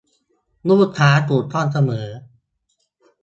ลูกค้าถูกต้องเสมอ